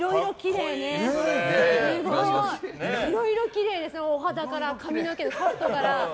いろいろきれいですねお肌から、髪の毛から。